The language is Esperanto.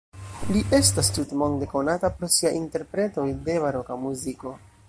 Li estas tutmonde konata pro sia interpretoj de baroka muziko.